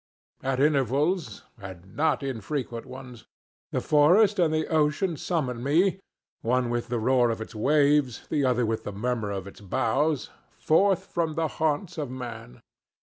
At intervals, and not infrequent ones, the forest and the ocean summon me—one with the roar of its waves, the other with the murmur of its boughs—forth from the haunts of men.